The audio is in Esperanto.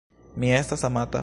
Mi estas amata.